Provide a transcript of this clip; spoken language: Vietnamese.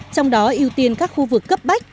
trong đó ưu tiên các khu vực cấp bách